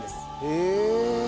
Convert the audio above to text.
へえ。